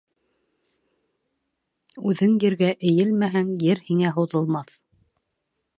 Үҙең ергә эйелмәһәң, ер һиңә һуҙылмаҫ.